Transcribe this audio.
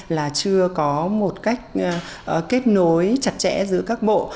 là chưa có một cách kết nối chặt chẽ giữa các bộ